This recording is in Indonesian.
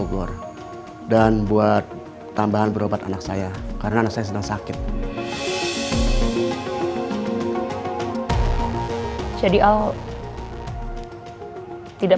pulang ke bogor dan buat tambahan berobat anak saya karena saya sedang sakit jadi al tidak